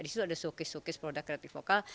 di situ ada sukis sukis produk kreatif lokal